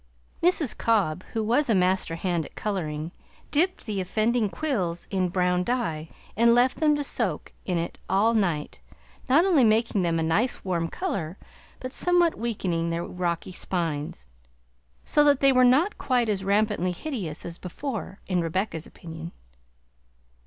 Mrs. Cobb, who was a master hand at coloring, dipped the offending quills in brown dye and left them to soak in it all night, not only making them a nice warm color, but somewhat weakening their rocky spines, so that they were not quite as rampantly hideous as before, in Rebecca's opinion.